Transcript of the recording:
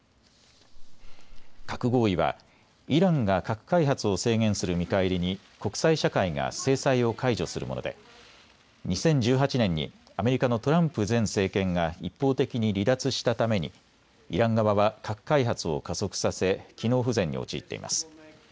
核合意はイランが核開発を制限する見返りに国際社会が制裁を解除するもので２０１８年にアメリカのトランプ前政権が一方的に離脱したためにイラン側は核開発を加速させ機能不全に陥っています。